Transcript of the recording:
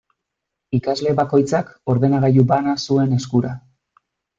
Ikasle bakoitzak ordenagailu bana zuen eskura.